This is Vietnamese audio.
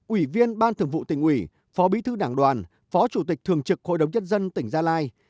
ủy viên ban thường vụ tỉnh ủy phó bí thư đảng đoàn phó chủ tịch thường trực hội đồng nhất dân tỉnh gia lai